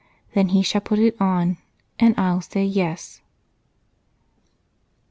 Then he shall put it on and I'll say 'yes.'"